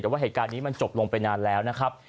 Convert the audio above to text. แต่ว่าเหตุการณ์นี้มันจบลงไปนานแล้วนะครับ